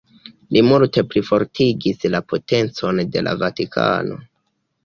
Li multe plifortigis la potencon de la Vatikano.